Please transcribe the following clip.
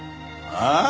ああ！？